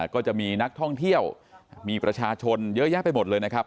ก็จะมีนักท่องเที่ยวมีประชาชนเยอะแยะไปหมดเลยนะครับ